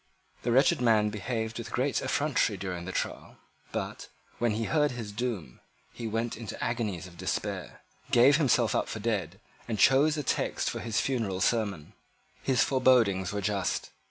The wretched man behaved with great effrontery during the trial; but, when he heard his doom, he went into agonies of despair, gave himself up for dead, and chose a text for his funeral sermon. His forebodings were just.